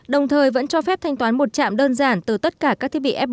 đồng thời vẫn cho phép thanh toán một chạm đơn giản từ tất cả các thiết bị fp